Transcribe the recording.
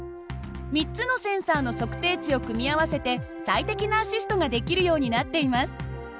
３つのセンサーの測定値を組み合わせて最適なアシストができるようになっています。